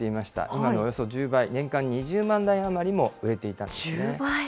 今のおよそ１０倍、年間に２０万台余りも売れていたんです。